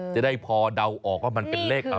จะได้พอเดาออกว่ามันเป็นเลขอะไร